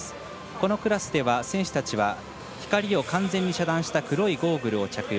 このクラスでは選手たちは光を完全に遮断した黒いゴーグルを着用。